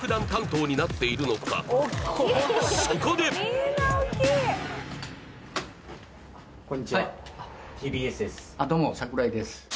そこでこんにちはＴＢＳですはい